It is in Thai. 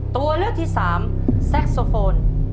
ตัวเลือกที่สามแซ็กโซโฟน